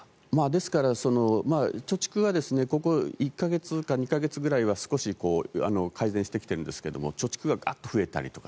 ですから、貯蓄がここ１か月か２か月ぐらいは少し改善してきているんですが貯蓄がガッと増えたりとか